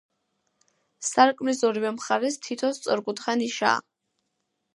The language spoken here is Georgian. სარკმლის ორივე მხარეს თითო სწორკუთხა ნიშაა.